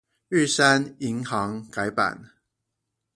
玉山銀行改版